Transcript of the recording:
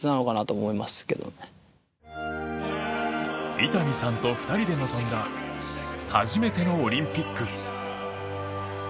伊丹さんと２人で臨んだ初めてのオリンピック。